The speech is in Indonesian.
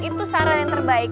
itu saran yang terbaik